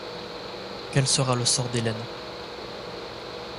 Quel sera le sort d’Hélène?